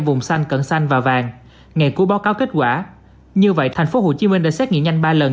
vùng xanh cận xanh và vàng ngày cuối báo cáo kết quả như vậy tp hcm đã xét nghiệm nhanh ba lần